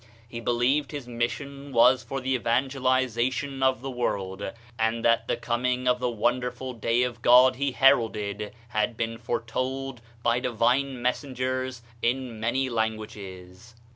He believed his mission was for the evangelization of the world, and that the coming of the wonderful day of God he heralded had been foretold by divine mes sengers in many languages.